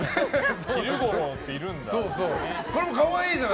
昼五郎っているんだ。